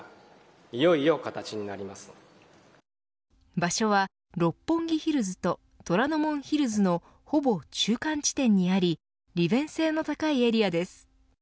場所は、六本木ヒルズと虎ノ門ヒルズのほぼ中間地点にあり利便性の高いエリアです。